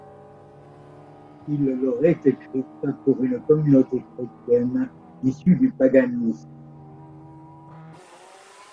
Il l'aurait écrite pour une communauté chrétienne issue du Paganisme.